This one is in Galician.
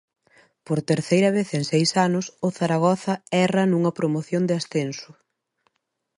Por terceira vez en seis anos o Zaragoza erra nunha promoción de ascenso.